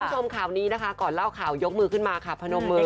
คุณผู้ชมข่าวนี้นะคะก่อนเล่าข่าวยกมือขึ้นมาค่ะพนมมือ